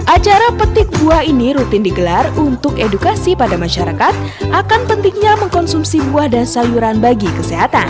acara petik buah ini rutin digelar untuk edukasi pada masyarakat akan pentingnya mengkonsumsi buah dan sayuran bagi kesehatan